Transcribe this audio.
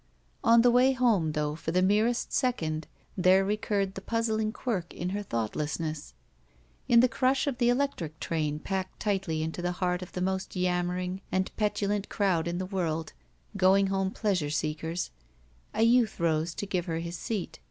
On the way home, though, for the merest second, there recurred the puzzling quirk in her thought lessness. In the crush of the electric train, packed tightly into the heart of the most yammering and petulant crowd in the world — ^home going pleasure seekers — a youth rose to give her his seat.